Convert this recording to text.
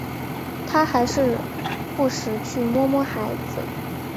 他还是不时去摸摸小孩